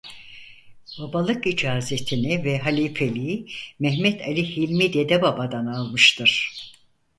Babalık icazetini ve halifeliği Mehmet Ali Hilmi Dedebaba'dan almıştır.